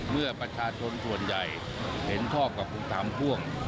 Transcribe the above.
เมื่อประชาชนส่วนใหญ่เห็นชอบกับคุณถามพ่วง